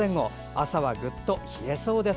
朝はぐっと冷えそうです。